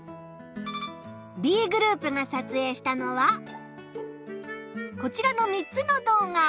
Ｂグループが撮影したのはこちらの３つの動画。